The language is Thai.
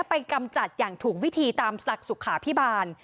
กำจัดอย่างถูกวิธีตามศักดิ์สุขาพิบาล